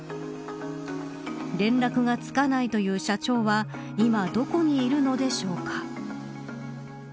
連絡がつかないという社長は今どこにいるのでしょうか。